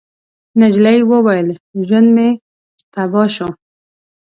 نجلۍ وويل: ژوند مې تباه شو.